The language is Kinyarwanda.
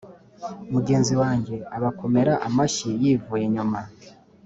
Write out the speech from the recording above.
mugenzi wanjye abakomera amashyi yivuye inyuma.